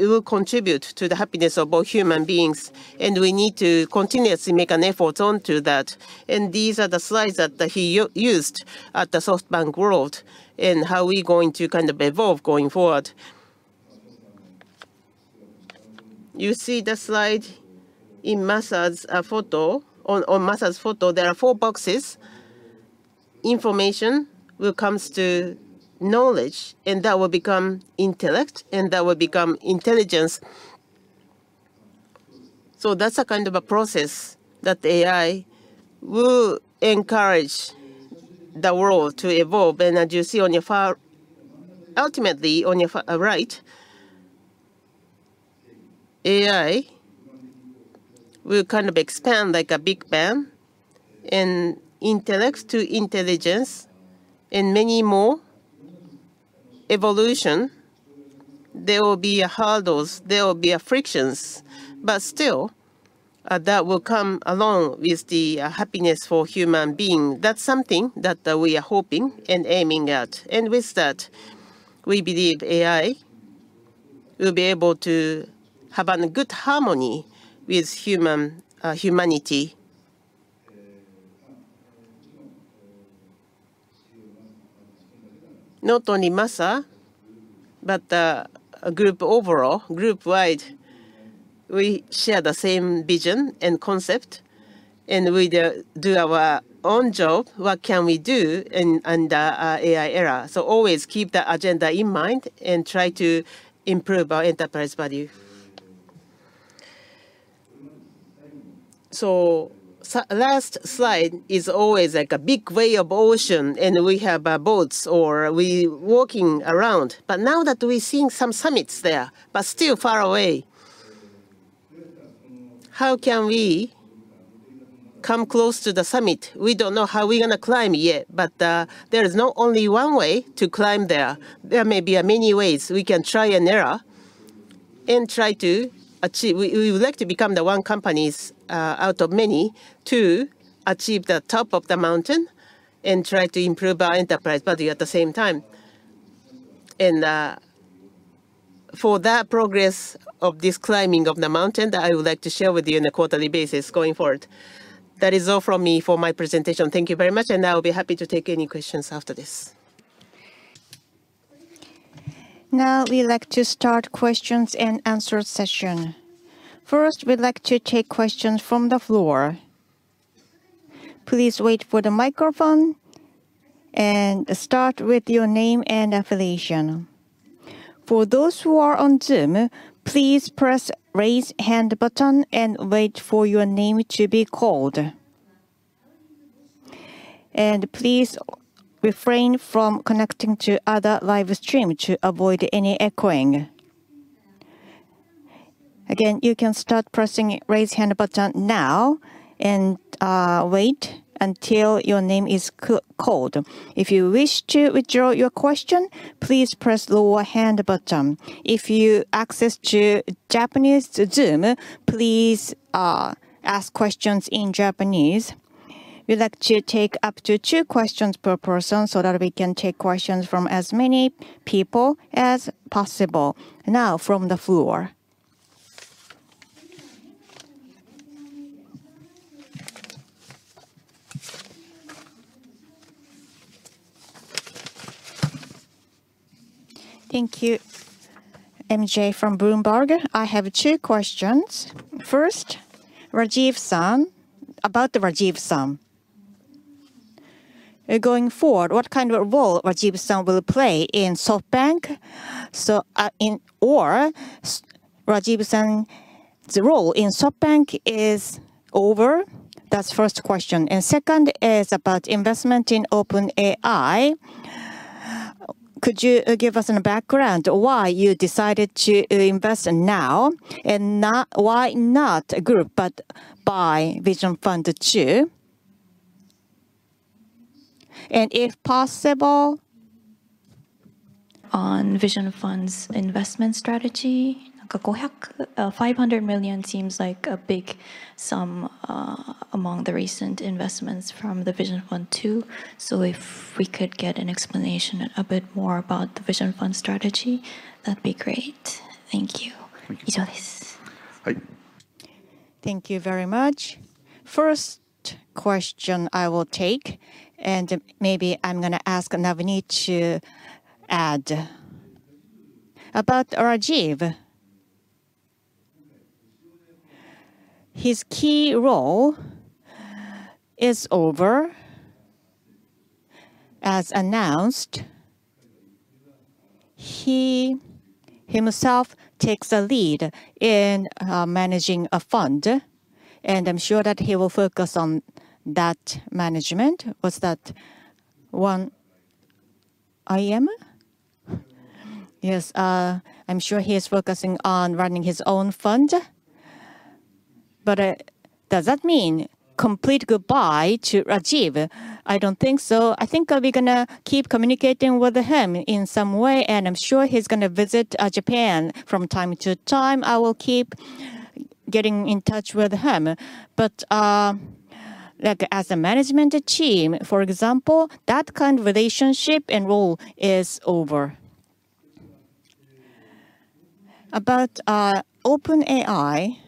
will contribute to the happiness of all human beings and we need to continuously make an effort onto that. These are the slides that he used at the SoftBank World and how we going to kind of evolve going forward. You see the slide in Masa's photo. On Masa's photo there are four boxes. Information will come to knowledge and that will become intellect and that will become intelligence. So that's a kind of a process that AI will encourage the world to evolve. As you see on your slide ultimately on your right AI will kind of expand like a big bang and intellect to intelligence and many more evolution. There will be hurdles, there will be frictions but still that will come along with the happiness for human being. That's something that we are hoping and aiming at. With that we believe AI will be able to have a good harmony with humanity. Not only Masa but a group overall group wide. We share the same vision and concept and we do our own job. What can we do under AI era? Always keep that agenda in mind and try to improve our enterprise value. Last slide is always like a big way of ocean and we have boats or we walking around. Now that we're seeing some summits there but still far away, how can we come close to the summit? We don't know how we're going to climb yet. But there is not only one way to climb there. There may be many ways we can trial and error and try to achieve. We would like to become one of the companies out of many to achieve the top of the mountain and try to improve our enterprise value at the same time and for that progress of this climbing of the mountain that I would like to share with you on a quarterly basis going forward. That is all from me for my presentation. Thank you very much and I will be happy to take any questions after this. Now we like to start questions and answers session. First we'd like to take questions from the floor. Please wait for the microphone and start with your name and affiliation. For those who are on Zoom, please press raise hand button and wait for your name to be called. And please refrain from connecting to other live stream to avoid any echoing. Again, you can start pressing raise hand button now and wait until your name is called. If you wish to withdraw your question, please press lower hand button. If you access to Japanese Zoom, please ask questions in Japanese. We like to take up to two questions per person so that we can take questions from as many people as possible. Now from the floor. Thank you. MJ from Bloomberg, I have two questions. First, [question] about Rajeev Misra going forward, what kind of role Rajeev Misra will play in SoftBank or Rajeev's tenure in SoftBank is over. That's first question and second is about investment in OpenAI. Could you give us a background why you decided to invest now and not why not group but by Vision Fund 2 And if possible on Vision Fund's investment strategy. $500 million seems like a big sum among the recent investments from the Vision Fund 2. So. So if we could get an explanation a bit more about the Vision Fund strategy, that'd be great. Thank you. Thank you very much. First question I will take and maybe I'm going to ask Navneet to add about Rajeev. His key role is over as announced. He himself takes a lead in managing a fund and I'm sure that he will focus on that management. Was that one item? Yes. I'm sure he is focusing on running his own fund. But does that mean complete goodbye to Rajeev? I don't think so. I think we're gonna keep communicating with him in some way and I'm sure he's gonna visit Japan from time to time. I will keep getting in touch with him but like as a management team, for example, that kind of relationship and role is over. About OpenAI.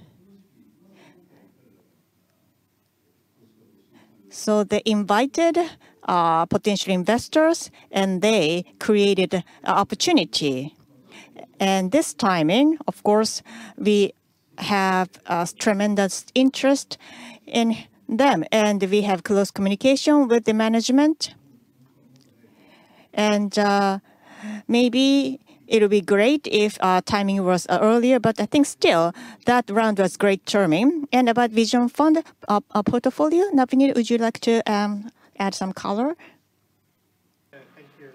So they invited potential investors and they created opportunity and this timing of course we have tremendous interest in them and we have close communication with the management and maybe it would be great if timing was earlier but I think still that round was great. Turning and about Vision Fund portfolio. Navneet, would you like to add some color? Thank you,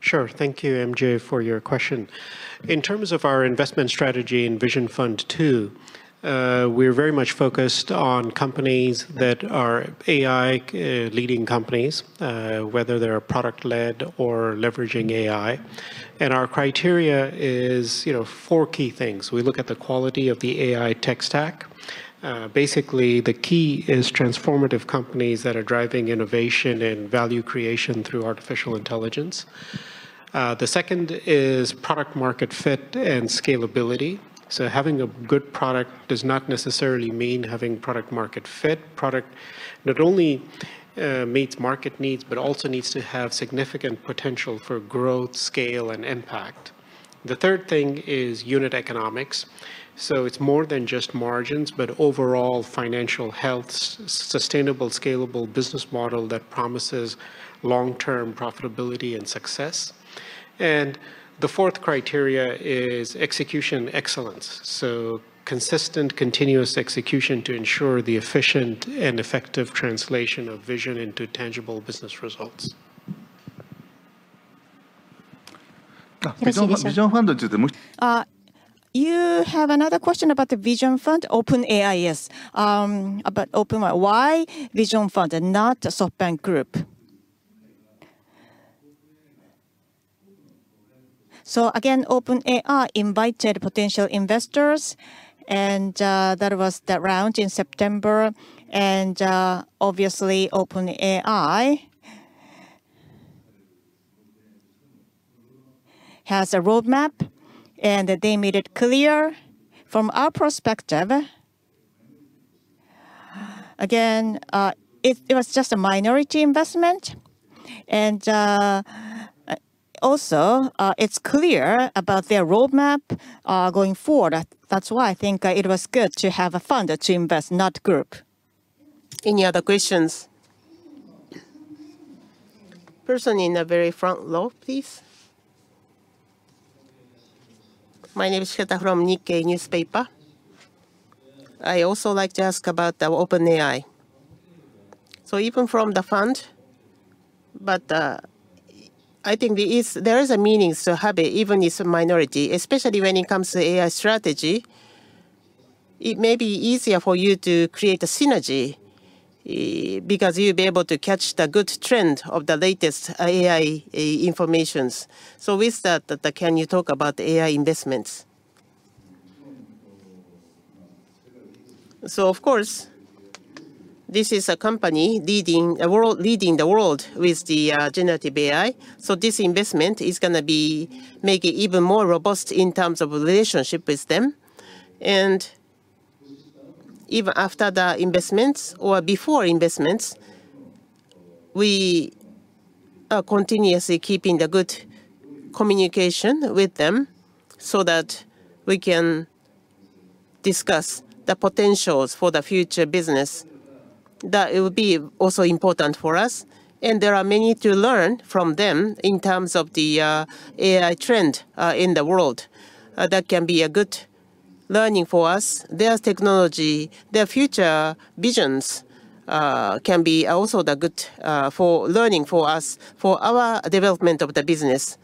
sure? Thank you, MJ, for your question. In terms of our investment strategy in Vision Fund 2, we're very much focused on companies that are AI leading companies, whether they're product led or leveraging AI. And our criteria is four key things. We look at the quality of the AI tech stack. Basically the key is transformative companies that are driving innovation and value creation through artificial intelligence. The second is product market fit and scalability. So having a good product does not necessarily mean having product market fit. Product not only meets market needs, but also needs to have significant potential for growth, scale and impact. The third thing is unit economics. So it's more than just margins, but overall financial health, sustainable scalable business model that promises long term profitability and success. And the fourth criteria is execution excellence. So consistent continuous execution to ensure the efficient and effective translation of vision into tangible business results. You have another question about the Vision Fund, OpenAI? Yes, about OpenAI. Why Vision Fund and not SoftBank Group? So again OpenAI invited potential investors and that was that round in September. And obviously OpenAI has a roadmap and they made it clear from our perspective again it was just a minority investment. And also it's clear about their roadmap going forward. That's why I think it was good to have a fund to invest, not group. Any other questions? Person in the very front row, please. My name is Kenta from Nikkei. I also like to ask about OpenAI so even from the fund, but I think there is a meaning. So, SoftBank, even if it's a minority, especially when it comes to AI strategy. It may be easier for you to create a synergy because you'll be able to catch the good trend of the latest AI information. So with that, can you talk about AI investments? So of course this is a company leading the world with the generative AI. So this investment is going to be make it even more robust in terms of relationship with them. And even after the investments or before investments, we are continuously keeping the good communication with them so that we can discuss the potentials for the future business that will be also important for us. There are many to learn from them. In terms of the AI trend in the world, that can be a good learning for us. There's technology. Their future visions can be also the good for learning for us, for our development of the business.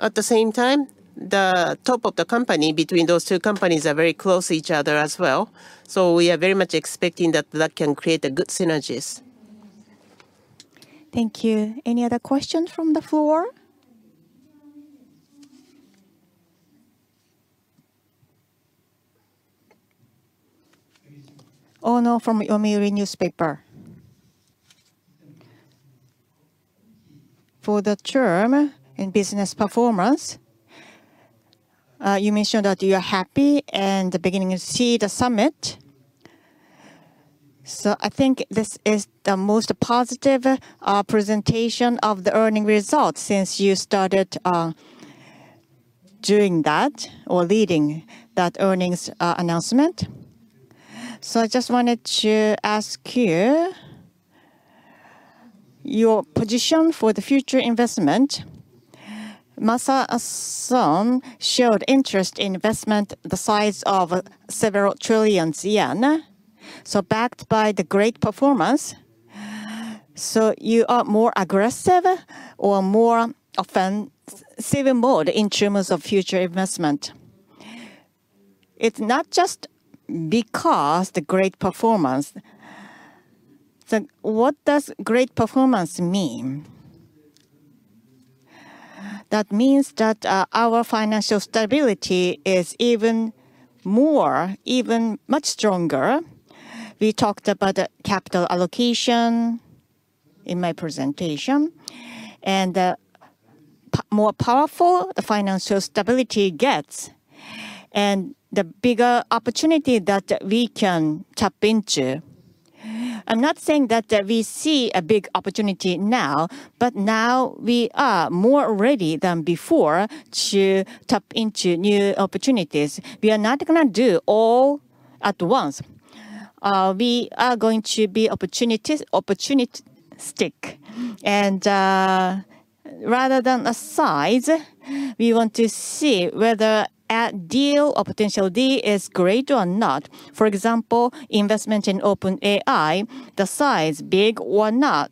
At the same time, the top of the company between those two companies are very close to each other as well. We are very much expecting that that can create a good synergies. Thank you. Any other questions from the floor. Oh no. From Yomiuri Shimbun newspaper regarding the turn in business performance, you mentioned that you are happy and beginning to see the summit. I think this is the most positive presentation of the earnings result since you started doing that or leading that earnings announcement. I just wanted to ask you your position for the future investment. Masa Son showed interest in investment the size of several trillion yen so backed by the great performance. You are more aggressive or more offensive mode in terms of future investment. It's not just because the great performance. What does great performance mean? That means that our financial stability is even more much stronger. We talked about capital allocation in my presentation and more powerful the financial stability gets and the bigger opportunity that we can tap into. I'm not saying that we see a big opportunity now, but now we are more ready than before to tap into new opportunities. We are not going to do all at once. We are going to be opportunistic and rather than a size, we want to see whether a deal or potential D is great or not. For example, investment in OpenAI the size big or not.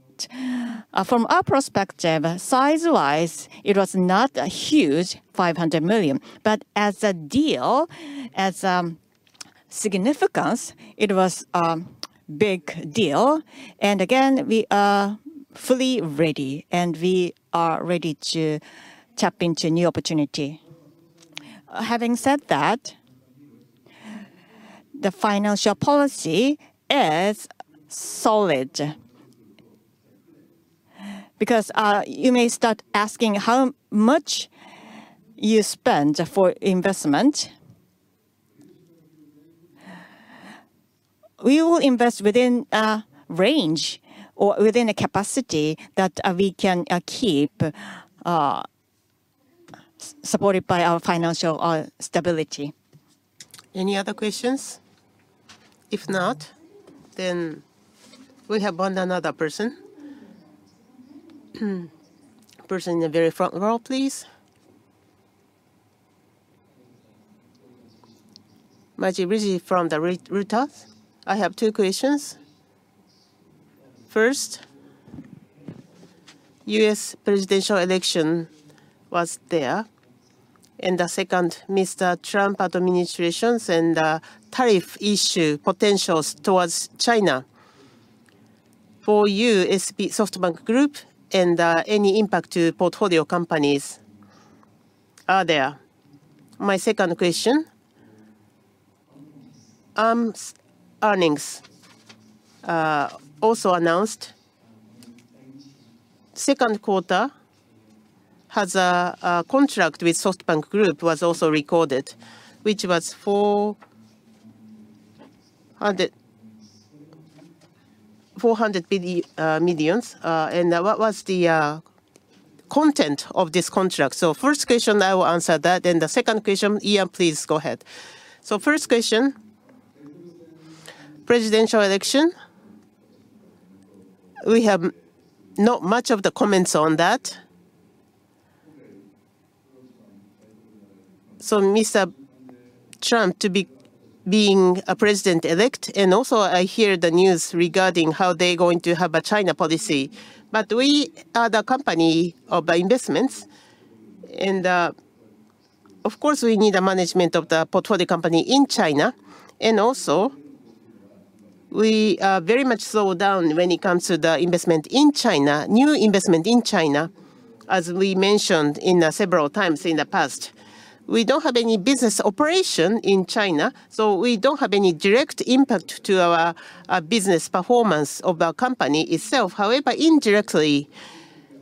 From our perspective, size-wise it was not a huge $500 million but as a deal, as significance it was a big deal, and again we are fully ready and we are ready to tap into new opportunity. Having said that, the financial policy is solid because you may start asking how much you spend for investment. We will invest within a range or within a capacity that we can keep supported by our financial stability. Any other questions? If not, then we have one more person. Person in the very front row, please. Maggie from Reuters. I have two questions. First. U.S. presidential election was there and the second Mr. Trump administration and tariff issue potentials towards China for SoftBank Group and any impact to portfolio companies are there. My second question, earnings also announced second quarter has a contract with SoftBank Group was also recorded which was 4,400 million. And what was the content of this contract? First question I will answer that and the second question. Ian, please go ahead. First question, presidential election we have not much of the comments on that. Mr. Trump to be being a president-elect and also I hear the news regarding how they going to have a China policy. But we are the company of investments and of course we need a management of the portfolio company in China and also we very much slow down when it comes to the investment in China. New investment in China, as we mentioned several times in the past. We don't have any business operation in China, so we don't have any direct impact to our business performance of our company itself. However, indirectly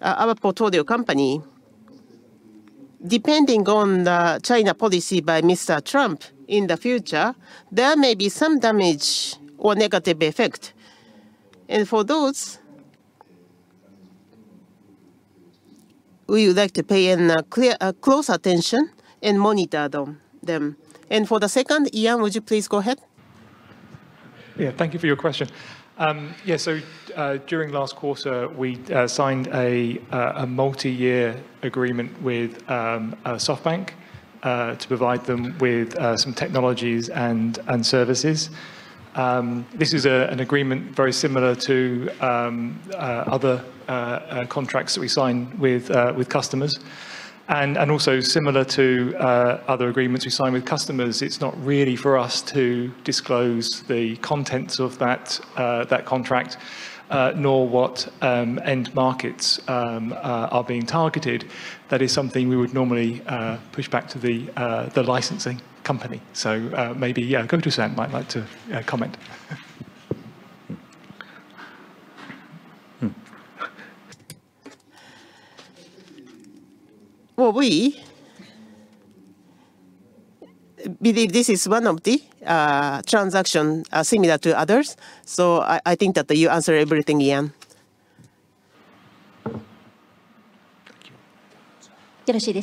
our portfolio company. Depending on China policy by Mr. Trump in the future, there may be some damage or negative effect, and for those we would like to pay close attention and monitor them. For the second, Ian, would you please go ahead. Yeah. Thank you for your question. Yes, so during last quarter we signed a multi-year agreement with SoftBank to provide them with some technologies and services. This is an agreement very similar to other contracts that we sign with customers and also similar to other agreements we sign with customers. It's not really for us to disclose the contents of that contract nor what end markets are being targeted. That is something we would normally push back to the licensing company. So maybe Goto-san might like to comment. We believe this is one of the transactions similar to others. I think that you answer everything, Ian. Thank you.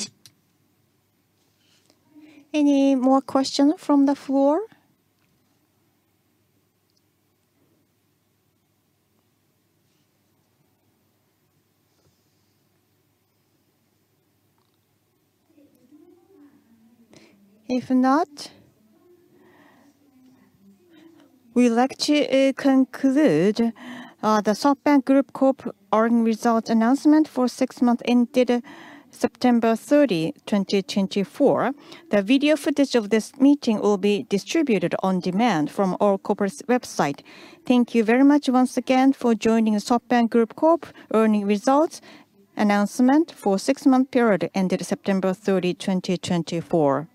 Any more questions from the floor? If not, we like to conclude the SoftBank Group Corp Earnings Results Announcement for six months ended September 30, 2024. The video footage of this meeting will be distributed on demand from our corporate website. Thank you very much once again for joining SoftBank Group Corp. earnings results announcement for six month period ended September 30, 2024.